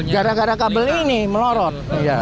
gara gara kabel ini melorot